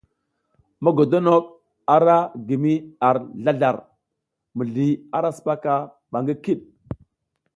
Mogodonok a ra gi mi ar zlazlar, mizli ara sipaka ba ngi kiɗ.